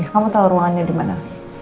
kamu tahu ruangannya di mana